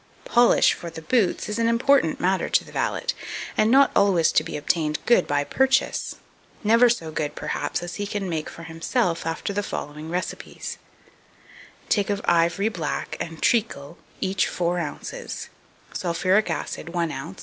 2240. Polish for the boots is an important matter to the valet, and not always to be obtained good by purchase; never so good, perhaps, as he can make for himself after the following recipes: Take of ivory black and treacle each 4 oz., sulphuric acid 1 oz.